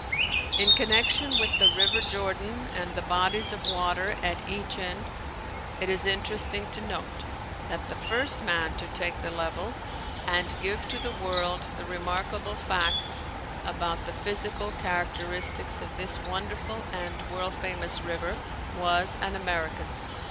In connection with the River Jordan and the bodies of water at each end, it is interesting to note that the first man to take the level and give to the world the remarkable facts about the physical characteristics of this wonderful and world famous river, was an American.